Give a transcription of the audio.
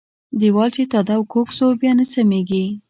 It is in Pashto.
ديوال چې د تاداوه کوږ سو ، بيا نه سمېږي.